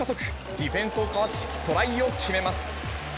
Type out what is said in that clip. ディフェンスをかわし、トライを決めます。